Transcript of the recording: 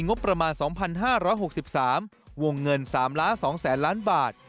งบประมาณ๒๕๖๓วงเงิน๓๒๐๐๐ล้านบาท